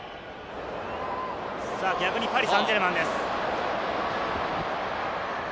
逆にパリ・サンジェルマンです。